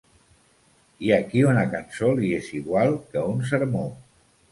Hi ha qui una cançó li és igual que un sermó.